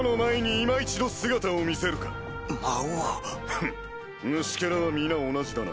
フン虫けらは皆同じだな。